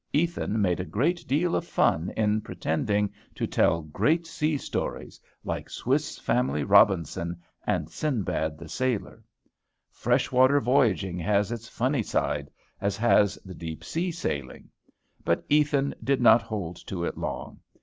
Ethan made a great deal of fun in pretending to tell great sea stories, like Swiss Family Robinson and Sinbad the Sailor. Fresh water voyaging has its funny side, as has the deep sea sailing. But Ethan did not hold to it long.